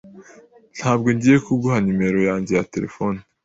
Ntabwo ngiye kuguha numero yanjye ya terefone.